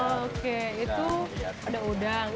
oke itu ada udang